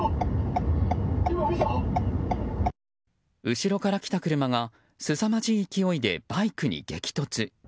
後ろから来た車がすさまじい勢いでバイクに激突。